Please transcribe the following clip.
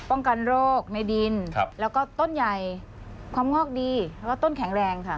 ป้องกันโรคในดินแล้วก็ต้นใหญ่ความงอกดีแล้วก็ต้นแข็งแรงค่ะ